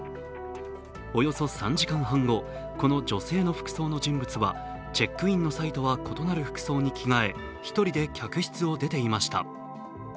およそ３時間半後この女性の服装の人物はチェックインの際とは異なる服装に着替え１人で客室を出ていました。